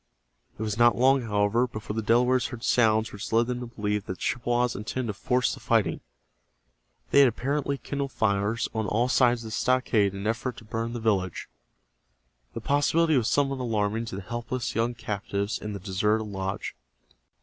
It was not long, however, before the Delawares heard sounds which led them to believe that the Chippewas intended to force the fighting. They had apparently kindled fires on all side of the stockade in an effort to burn the village. The possibility was somewhat alarming to the helpless young captives in the deserted lodge.